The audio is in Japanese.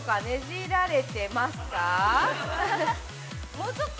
もうちょっと。